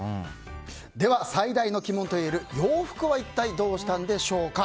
では、最大の鬼門といえる洋服は一体どうしたんでしょうか。